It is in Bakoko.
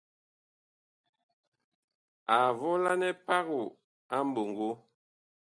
A volanɛ pago a mɓoŋgo.